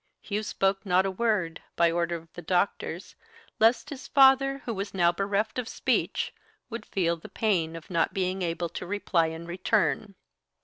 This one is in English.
Hugh spoke not a word, by order of the doctors, lest his father, who was now bereft of speech, would feel the pain of not being able to reply in return.